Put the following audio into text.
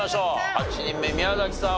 ８人目宮崎さん